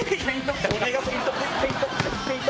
これがフェイント！